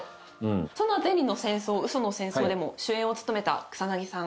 その『銭の戦争』『嘘の戦争』でも主演を務めた草さん。